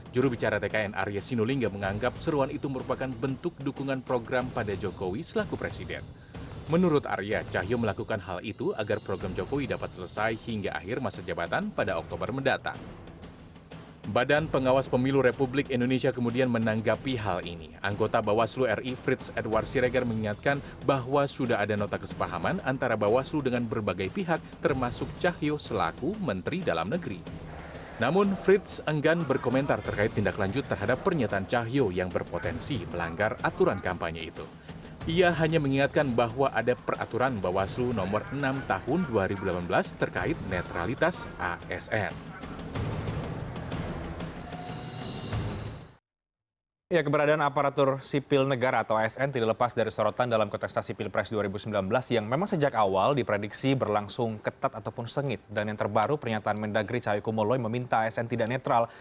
dan yang terbaru pernyataan mendagri cahayu kumuloy meminta asn tidak netral